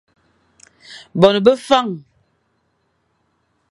Bon be Fañ.